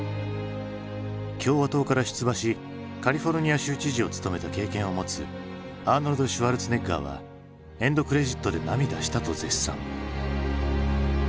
共和党から出馬しカリフォルニア州知事を務めた経験を持つアーノルド・シュワルツェネッガーは「エンドクレジットで涙した」と絶賛。